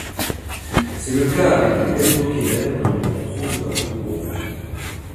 C'est le cas avec les benzopyrènes que l'on trouve dans les goudrons.